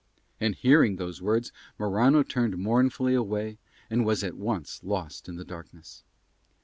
And hearing those words Morano turned mournfully away and was at once lost in the darkness.